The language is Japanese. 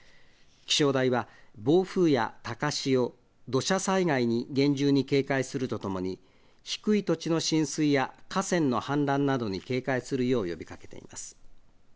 気象台は暴風や高潮、土砂災害に厳重に警戒するとともに、低い土地の浸水や河川の氾濫などに警戒するよう、呼びかけています。